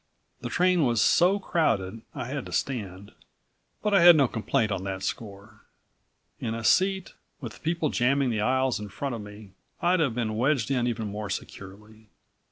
The train was so crowded I had to stand, but I had no complaint on that score. In a seat, with people jamming the aisle in front of me, I'd have been wedged in even more securely.